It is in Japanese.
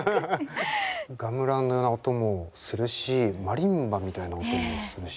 ガムランのような音もするしマリンバみたいな音もするし。